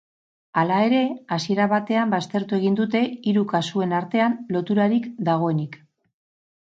Hala ere, hasiera batean baztertu egin dute hiru kasuen artean loturarik dagoenik.